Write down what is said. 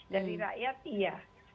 dari rakyat iya